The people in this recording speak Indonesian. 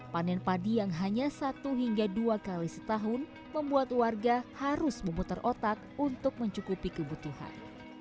panen padi yang hanya satu hingga dua kali setahun membuat warga harus memutar otak untuk mencukupi kebutuhan